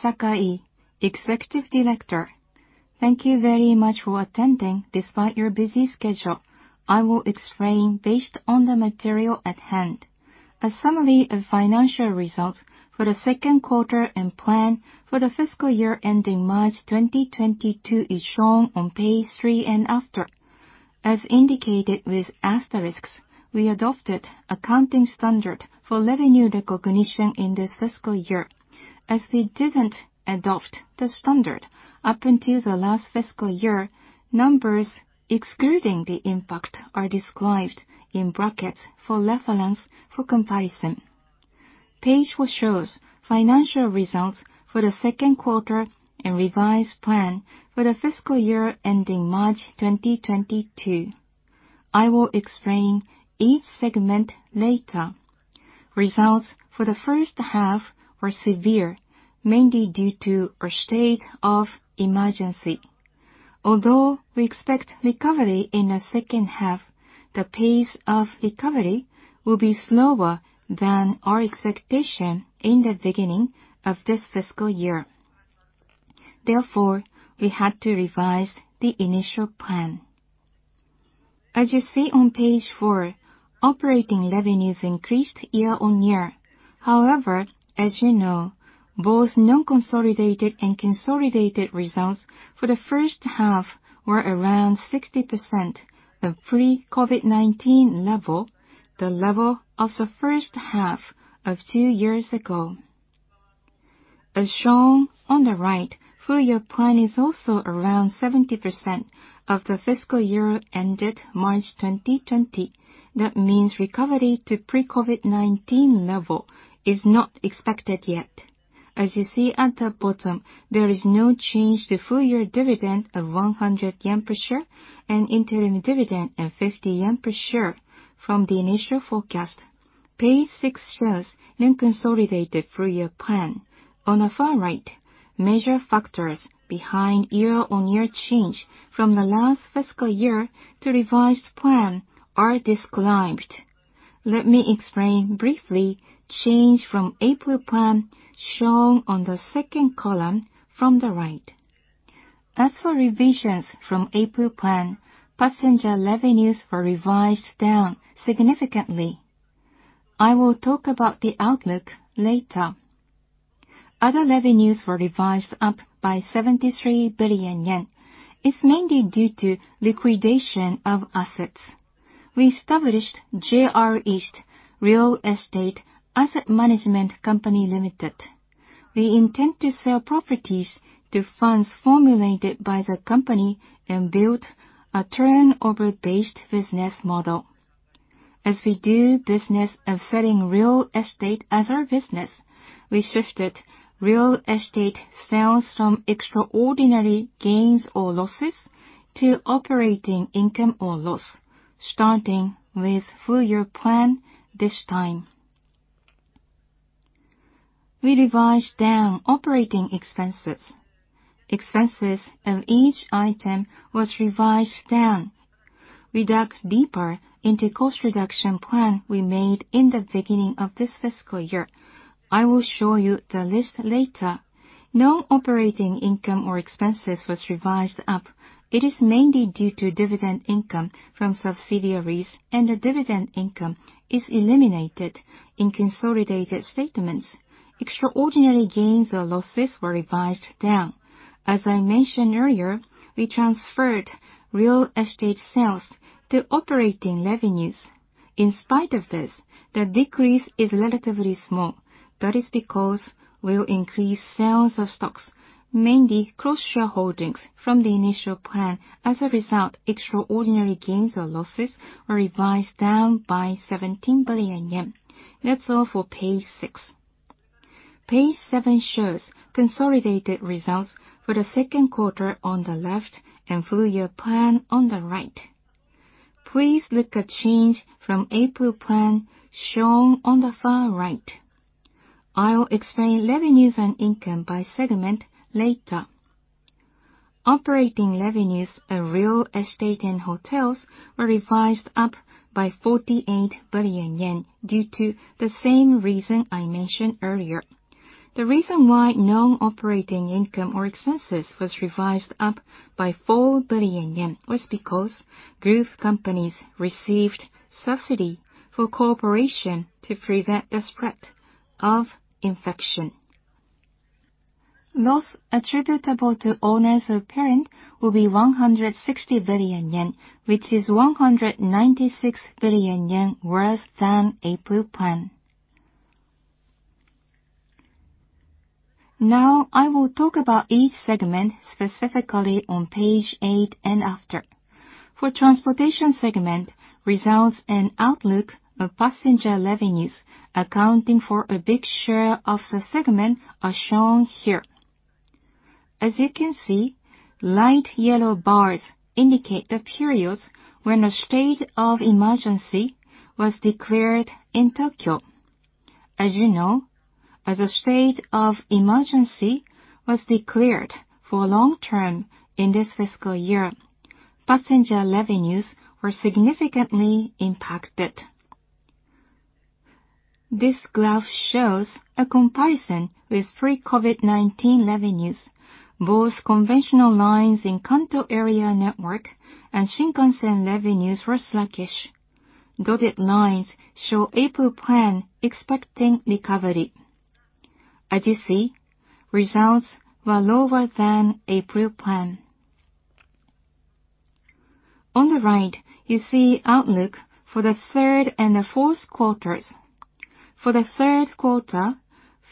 I'm Sakai, Executive Director. Thank you very much for attending despite your busy schedule. I will explain based on the material at hand. A summary of financial results for the Q2 and plan for the Fiscal Year ending March 2022 is shown on page three and after. As indicated with asterisks, we adopted Accounting Standard for Revenue Recognition in this Fiscal Year. As we didn't adopt the standard up until the last Fiscal Year, numbers excluding the impact are described in brackets for reference for comparison. Page four shows financial results for the Q2 and revised plan for the Fiscal Year ending March 2022. I will explain each segment later. Results for the H1 were severe, mainly due to a state of emergency. Although we expect recovery in the H2, the pace of recovery will be slower than our expectation in the beginning of this Fiscal Year. Therefore, we had to revise the initial plan. As you see on page four, operating revenues increased year-on-year. However, as you know, both non-consolidated and consolidated results for the H1 were around 60% of pre-COVID-19 level, the level of the H1 of two years ago. As shown on the right, full-year plan is also around 70% of the Fiscal Year ended March 2020. That means recovery to pre-COVID-19 level is not expected yet. As you see at the bottom, there is no change to full-year dividend of 100 yen per share and interim dividend of 50 yen per share from the initial forecast. Page six shows non-consolidated full-year plan. On the far right, major factors behind year-on-year change from the last Fiscal Year to revised plan are described. Let me explain briefly change from April plan shown on the second column from the right. As for revisions from April plan, passenger revenues were revised down significantly. I will talk about the outlook later. Other revenues were revised up by 73 billion yen. It's mainly due to liquidation of assets. We established JR East Real Estate Asset Management Co., Ltd. We intend to sell properties to funds formed by the company and build a turnover-based business model. As we do business of selling real estate as our business, we shifted real estate sales from extraordinary gains or losses to operating income or loss, starting with full-year plan this time. We revised down operating expenses. Expenses of each item was revised down. We dug deeper into cost reduction plan we made in the beginning of this Fiscal Year. I will show you the list later. Non-operating income or expenses was revised up. It is mainly due to dividend income from subsidiaries, and the dividend income is eliminated in consolidated statements. Extraordinary gains or losses were revised down. As I mentioned earlier, we transferred real estate sales to operating revenues. In spite of this, the decrease is relatively small. That is because we'll increase sales of stocks, mainly cross-shareholdings from the initial plan. As a result, extraordinary gains or losses were revised down by 17 billion yen. That's all for page six. Page seven shows consolidated results for the Q2 on the left and full-year plan on the right. Please look at change from April plan shown on the far right. I'll explain revenues and income by segment later. Operating revenues of Real Estate and Hotels were revised up by 48 billion yen due to the same reason I mentioned earlier. The reason why non-operating income or expenses was revised up by 4 billion yen was because group companies received subsidy for cooperation to prevent the spread of infection. Loss attributable to owners of parent will be 160 billion yen, which is 196 billion yen worse than April plan. Now, I will talk about each segment specifically on page eight and after. For Transportation segment, results and outlook of passenger revenues accounting for a big share of the segment are shown here. As you can see, light yellow bars indicate the periods when a state of emergency was declared in Tokyo. As you know, as a state of emergency was declared for long term in this Fiscal Year, passenger revenues were significantly impacted. This graph shows a comparison with pre-COVID-19 revenues. Both conventional lines in Kanto area network and Shinkansen revenues were sluggish. Dotted lines show April plan expecting recovery. As you see, results were lower than April plan. On the right, you see outlook for the Q3 and the Q4. For the Q3,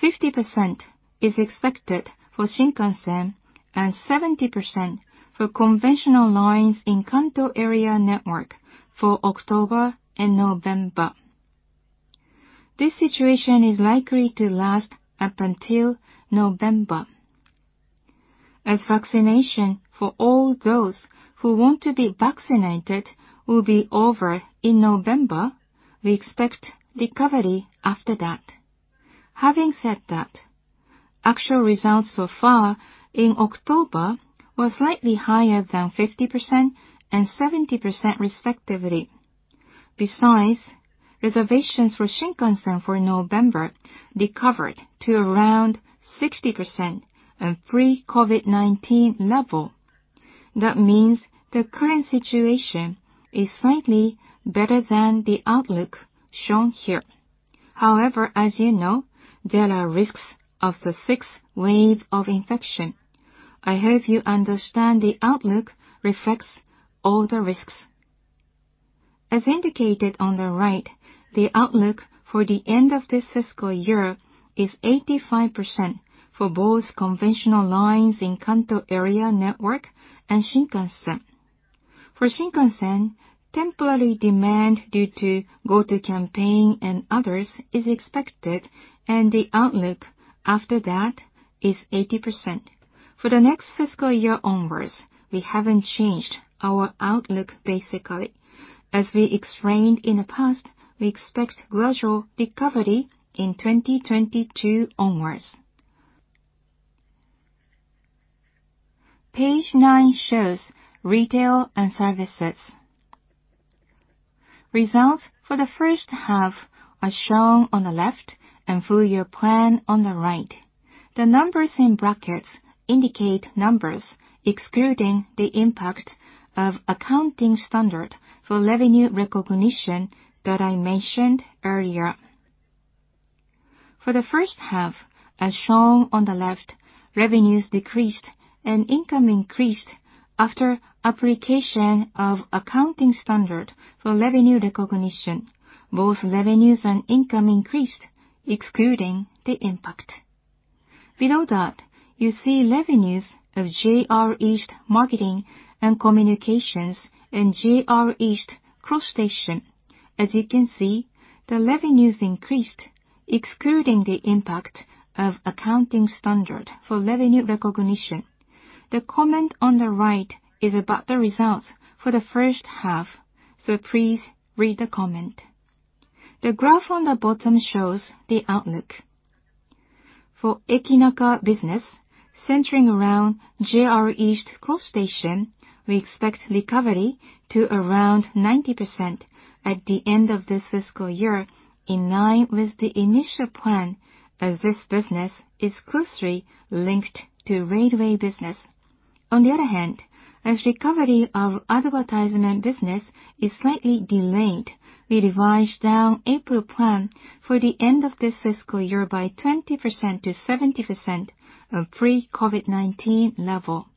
50% is expected for Shinkansen and 70% for conventional lines in Kanto area network for October and November. This situation is likely to last up until November. As vaccination for all those who want to be vaccinated will be over in November, we expect recovery after that. Having said that, actual results so far in October were slightly higher than 50% and 70% respectively. Besides, reservations for Shinkansen for November recovered to around 60% of pre-COVID-19 level. That means the current situation is slightly better than the outlook shown here. However, as you know, there are risks of the sixth wave of infection. I hope you understand the outlook reflects all the risks. As indicated on the right, the outlook for the end of this Fiscal Year is 85% for both conventional lines in Kanto area network and Shinkansen. For Shinkansen, temporary demand due to Go To Campaign and others is expected, and the outlook after that is 80%. For the next Fiscal Year onwards, we haven't changed our outlook basically. As we explained in the past, we expect gradual recovery in 2022 onwards. Page nine shows retail and services. Results for the H1 are shown on the left and full-year plan on the right. The numbers in brackets indicate numbers excluding the impact of Accounting Standard for Revenue Recognition that I mentioned earlier. For the H1, as shown on the left, revenues decreased and income increased after application of Accounting Standard for Revenue Recognition. Both revenues and income increased excluding the impact. Below that, you see revenues of JR East Marketing and Communications and JR East Cross Station. As you can see, the revenues increased excluding the impact of Accounting Standard for Revenue Recognition. The comment on the right is about the results for the H1, so please read the comment. The graph on the bottom shows the outlook. For Ekinaka business, centering around JR East Cross Station, we expect recovery to around 90% at the end of this Fiscal Year in line with the initial plan, as this business is closely linked to railway business. On the other hand, as recovery of advertising business is slightly delayed, we revised down April plan for the end of this Fiscal Year by 20% to 70% of pre-COVID-19 level.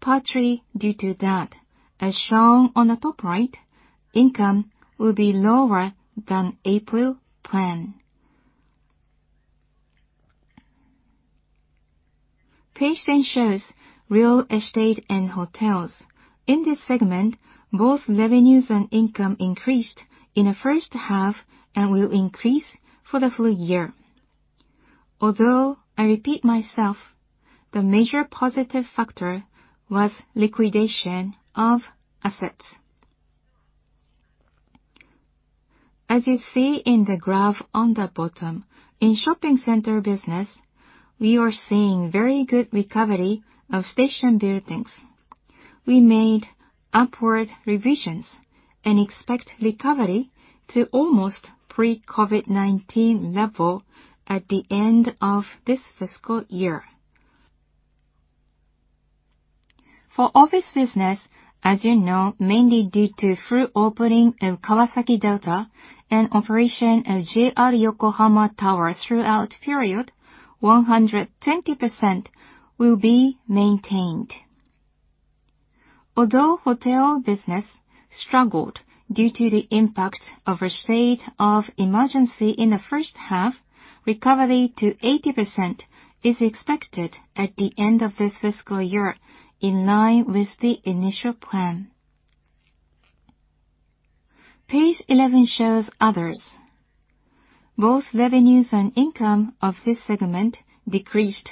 Partly due to that, as shown on the top right, income will be lower than April plan. Page 10 shows real estate and hotels. In this segment, both revenues and income increased in the H1 and will increase for the full-year. Although I repeat myself, the major positive factor was liquidation of assets. As you see in the graph on the bottom, in shopping center business, we are seeing very good recovery of station buildings. We made upward revisions and expect recovery to almost pre-COVID-19 level at the end of this Fiscal Year. For office business, as you know, mainly due to full opening of Kawasaki Delta and operation of JR Yokohama Towers throughout period, 120% will be maintained. Although hotel business struggled due to the impact of a state of emergency in the H1, recovery to 80% is expected at the end of this Fiscal Year in line with the initial plan. Page 11 shows others. Both revenues and income of this segment decreased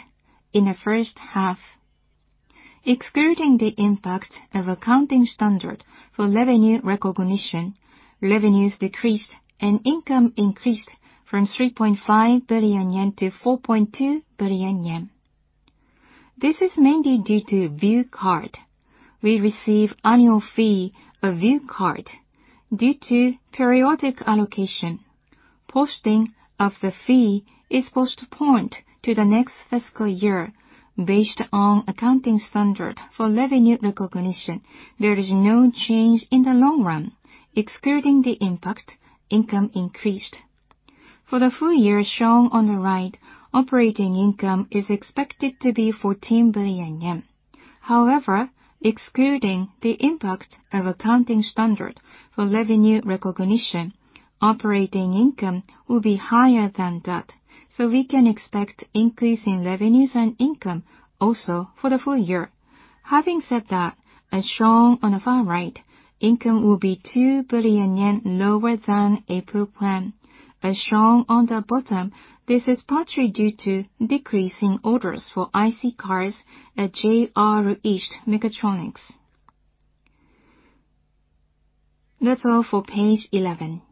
in the H1. Excluding the impact of Accounting Standard for Revenue Recognition, revenues decreased and income increased from 3.5 billion yen to 4.2 billion yen. This is mainly due to View Card. We receive annual fee of View Card due to periodic allocation. Posting of the fee is postponed to the next Fiscal Year based on Accounting Standard for Revenue Recognition. There is no change in the long run. Excluding the impact, income increased. For the full-year shown on the right, operating income is expected to be 14 billion yen. However, excluding the impact of Accounting Standard for Revenue Recognition, operating income will be higher than that. We can expect increase in revenues and income also for the full-year. Having said that, as shown on the far right, income will be 2 billion yen lower than April plan. As shown on the bottom, this is partly due to decrease in orders for IC cards at JR East Mechatronics. That's all for page 11.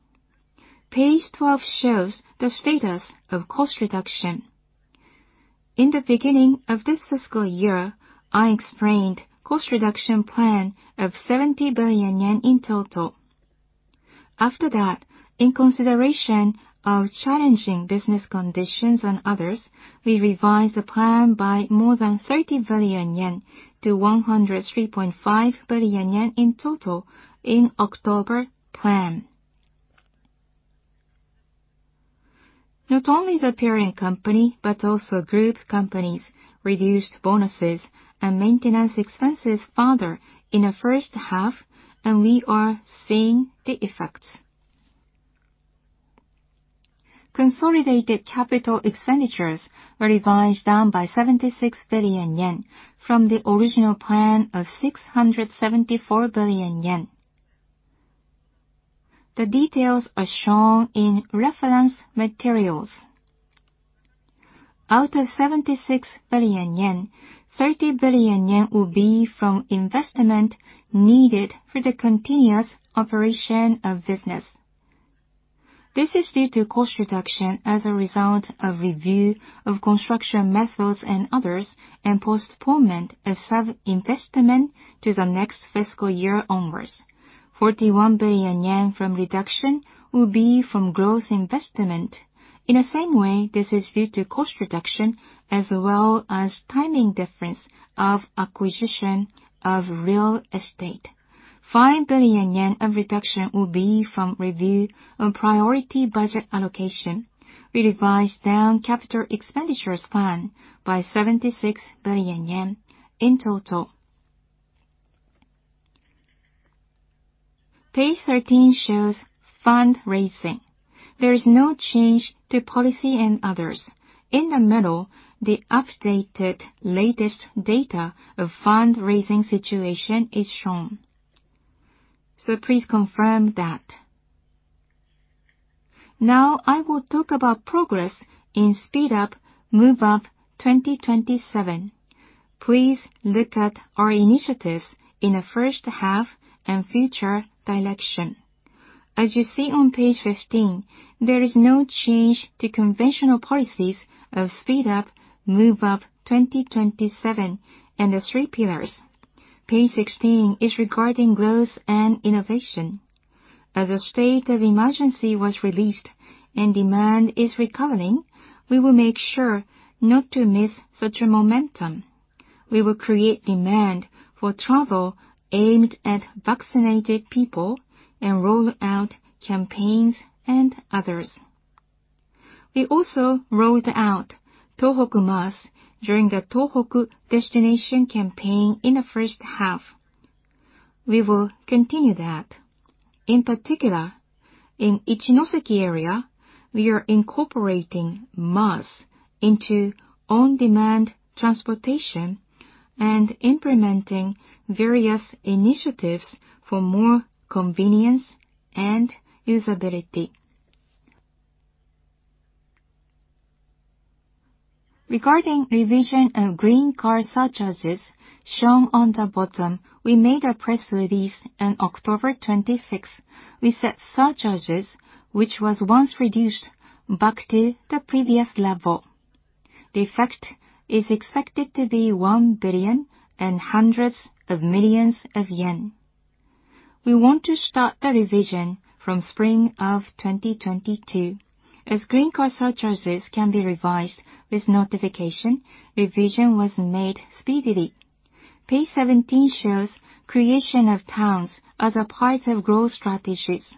Page 12 shows the status of cost reduction. In the beginning of this Fiscal Year, I explained cost reduction plan of 70 billion yen in total. After that, in consideration of challenging business conditions and others, we revised the plan by more than 30 billion yen to 103.5 billion yen in total in October plan. Not only the parent company, but also group companies reduced bonuses and maintenance expenses further in the H1, and we are seeing the effects. Consolidated capital expenditures were revised down by 76 billion yen from the original plan of 674 billion yen. The details are shown in reference materials. Out of 76 billion yen, 30 billion yen will be from investment needed for the continuous operation of business. This is due to cost reduction as a result of review of construction methods and others, and postponement of sub-investment to the next Fiscal Year onwards. 41 billion yen from reduction will be from growth investment. In the same way, this is due to cost reduction as well as timing difference of acquisition of real estate. 5 billion yen of reduction will be from review on priority budget allocation. We revised down capital expenditures plan by 76 billion yen in total. Page 13 shows fundraising. There is no change to policy and others. In the middle, the updated latest data of fundraising situation is shown. Please confirm that. Now I will talk about progress in Speed Up, Move Up 2027. Please look at our initiatives in the H1 and future direction. As you see on page 15, there is no change to conventional policies of Speed Up, Move Up 2027 and the three pillars. Page 16 is regarding growth and innovation. As the state of emergency was released and demand is recovering, we will make sure not to miss such a momentum. We will create demand for travel aimed at vaccinated people and roll out campaigns and others. We also rolled out TOHOKU MaaS during the Tohoku destination campaign in the H1. We will continue that. In particular, in Ichinoseki area, we are incorporating MaaS into on-demand transportation and implementing various initiatives for more convenience and usability. Regarding revision of green car surcharges shown on the bottom, we made a press release on October 26. We set surcharges which was once reduced back to the previous level. The effect is expected to be 1 billion and hundreds of millions. We want to start the revision from spring of 2022. As green car surcharges can be revised with notification, revision was made speedily. Page 17 shows creation of towns as a part of growth strategies.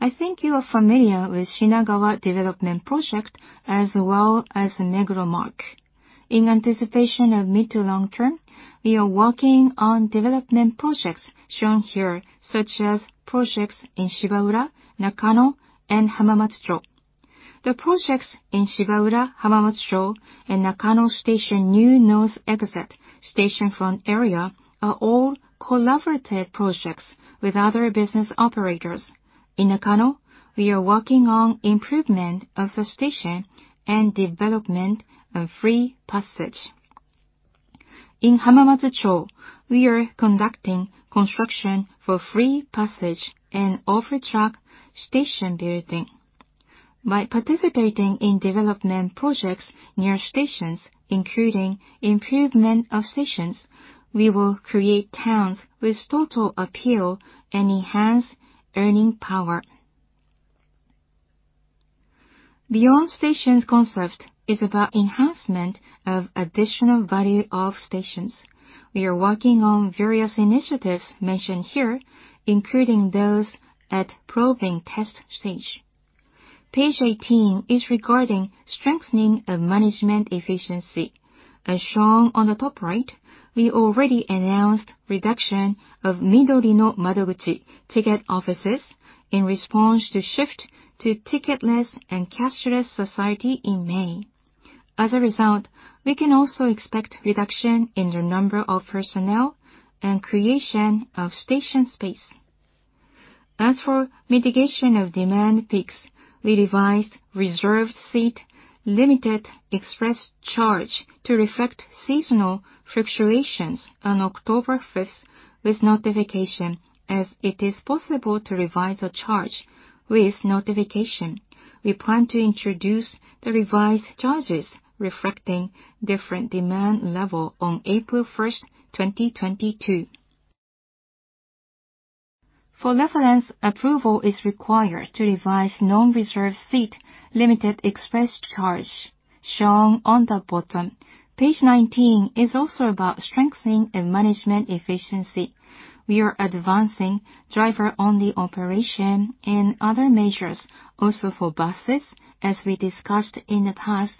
I think you are familiar with Shinagawa development project as well as Takanawa Gateway. In anticipation of mid to long term, we are working on development projects shown here, such as projects in Shibaura, Nakano, and Hamamatsucho. The projects in Shibaura, Hamamatsucho, and Nakano Station new north exit station front area are all collaborative projects with other business operators. In Nakano, we are working on improvement of the station and development of free passage. In Hamamatsucho, we are conducting construction for free passage and over-track station building. By participating in development projects near stations, including improvement of stations, we will create towns with total appeal and enhance earning power. Beyond Stations Concept is about enhancement of additional value of stations. We are working on various initiatives mentioned here, including those at probing test stage. Page 18 is regarding strengthening of management efficiency. As shown on the top right, we already announced reduction of Midorino Madoguchi ticket offices in response to shift to ticketless and cashless society in May. As a result, we can also expect reduction in the number of personnel and creation of station space. As for mitigation of demand peaks, we revised reserved seat limited express charge to reflect seasonal fluctuations on October 5th with notification. As it is possible to revise a charge with notification, we plan to introduce the revised charges reflecting different demand level on April 1st, 2022. For reference, approval is required to revise non-reserved seat limited express charge shown on the bottom. Page 19 is also about strengthening of management efficiency. We are advancing driver-only operation and other measures also for buses, as we discussed in the past.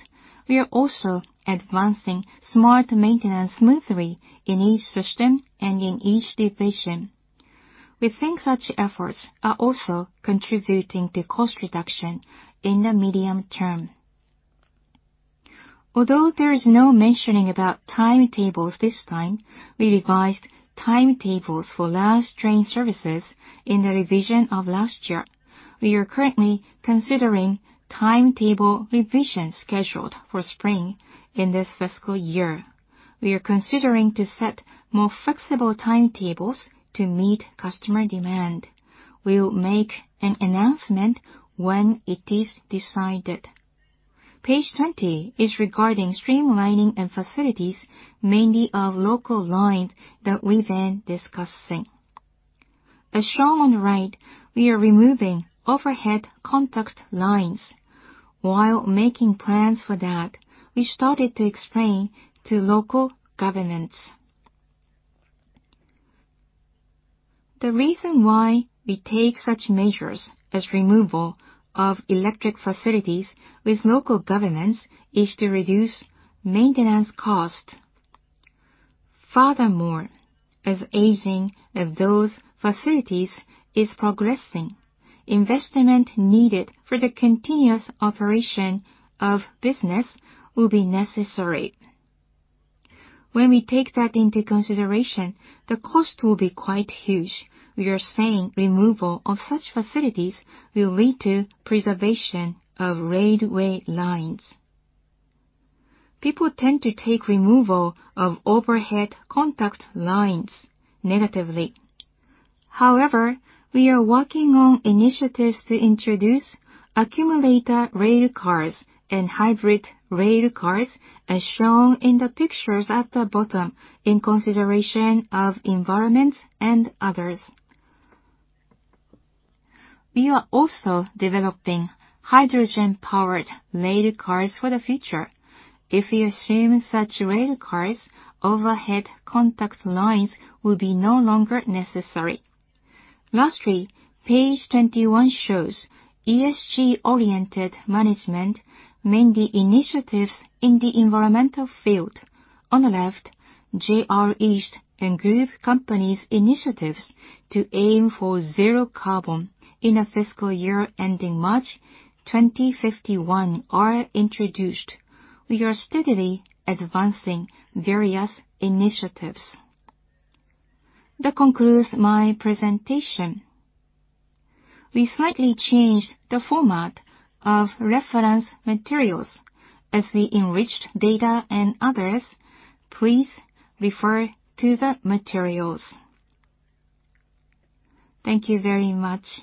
We are also advancing smart maintenance smoothly in each system and in each division. We think such efforts are also contributing to cost reduction in the medium term. Although there is no mentioning about timetables this time, we revised timetables for last train services in the revision of last year. We are currently considering timetable revision scheduled for spring in this Fiscal Year. We are considering to set more flexible timetables to meet customer demand. We will make an announcement when it is decided. Page 20 is regarding streamlining of facilities, mainly of local lines that we've been discussing. As shown on the right, we are removing overhead contact lines. While making plans for that, we started to explain to local governments. The reason why we take such measures as removal of electric facilities with local governments is to reduce maintenance costs. Furthermore, as aging of those facilities is progressing, investment needed for the continuous operation of business will be necessary. When we take that into consideration, the cost will be quite huge. We are saying removal of such facilities will lead to preservation of railway lines. People tend to take removal of overhead contact lines negatively. However, we are working on initiatives to introduce accumulator rail cars and hybrid rail cars as shown in the pictures at the bottom in consideration of environment and others. We are also developing hydrogen-powered rail cars for the future. If we assume such rail cars, overhead contact lines will be no longer necessary. Lastly, page 21 shows ESG-oriented management, mainly initiatives in the environmental field. On the left, JR East and group companies' initiatives to aim for zero carbon in the Fiscal Year ending March 2051 are introduced. We are steadily advancing various initiatives. That concludes my presentation. We slightly changed the format of reference materials as we enriched data and others. Please refer to the materials. Thank you very much.